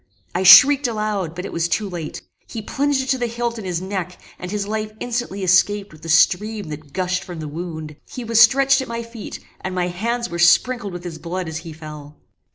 I shrieked aloud, but it was too late. He plunged it to the hilt in his neck; and his life instantly escaped with the stream that gushed from the wound. He was stretched at my feet; and my hands were sprinkled with his blood as he fell.